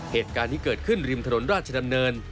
เหตุการณ์ที่เกิดขึ้นริมถนนราชดำเนิน